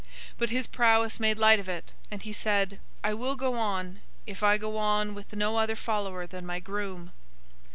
But his prowess made light of it, and he said, 'I will go on, if I go on with no other follower than my groom!